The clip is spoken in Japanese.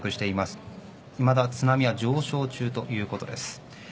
いまだ津波は上昇中ということです。